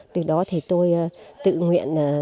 từ đó thì tôi tự nguyện